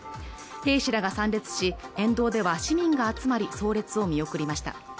兵士らが参列し沿道では市民が集まり葬列を見送りました